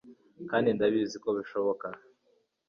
kandi ndabizi ko bishoboka